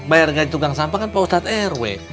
bayar gaji tugang sampah kan pak ustadz rw